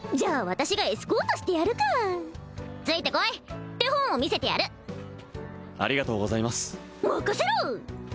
私がエスコートしてやるかついてこい手本を見せてやるありがとうございます任せろ！